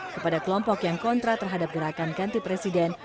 kepada kelompok yang kontra terhadap gerakan ganti presiden